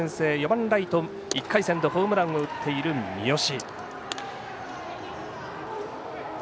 ４番ライト１回戦でホームランを打っている三好。